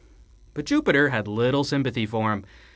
But Jupiter had little sympathy for him.